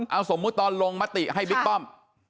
เอาสมมุติตอนลงมติให้บิ๊กป้อม